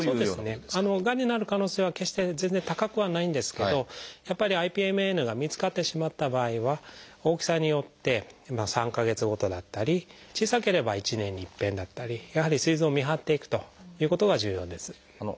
がんになる可能性は決して全然高くはないんですけどやっぱりＩＰＭＮが見つかってしまった場合は大きさによって３か月ごとだったり小さければ１年にいっぺんだったりやはりすい臓を見張っていくということが重要です。